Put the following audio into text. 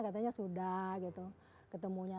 katanya sudah gitu ketemunya